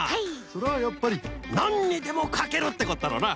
それはやっぱりなんにでもかけるってことだろうな。